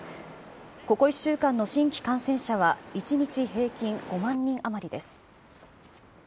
ここ１週間の新規感染者は、１日平均５万人余りです。